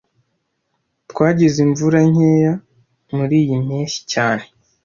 Twagize imvura nkeya muriyi mpeshyi cyane